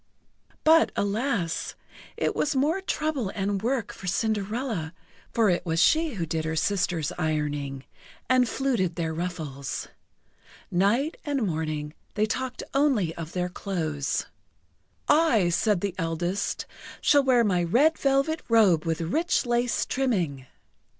But, alas! it was more trouble and work for Cinderella, for it was she who did her sisters' ironing, and fluted their ruffles. Night and morning, they talked only of their clothes. "I," said the eldest, "shall wear my red velvet robe with rich lace trimming."